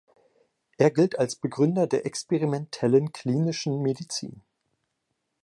Er gilt als Begründer der experimentellen Klinischen Medizin.